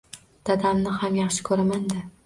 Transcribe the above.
Dadamni ham yaxshi koʻraman-da